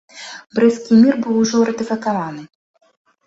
Брэсцкі мір быў ужо ратыфікаваны.